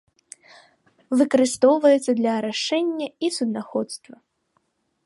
Выкарыстоўваецца для арашэння і суднаходства.